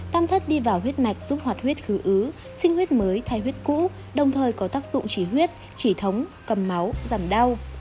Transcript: tăng thất đi vào huyết mạch giúp hoạt huyết khứ ứ sinh huyết mới thay huyết cũ đồng thời có tác dụng chỉ huyết chỉ thống cầm máu giảm đau